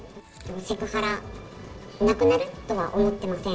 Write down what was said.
セクハラ、なくなるとは思ってません。